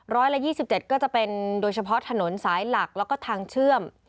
ร้อยละ๒๗ก็จะเป็นโดยเฉพาะถนนสายหลักแล้วก็ทางเชื่อม